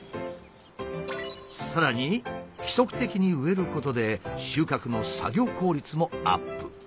さらに規則的に植えることで収穫の作業効率もアップ。